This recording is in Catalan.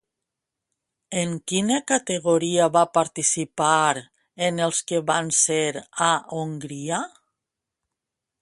En quina categoria va participar en els que van ser a Hongria?